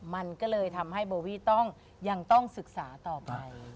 มันก็เลยทำให้โบวี่ต้องยังต้องศึกษาต่อไป